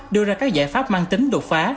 đưa ra các giải pháp mang tính đột phá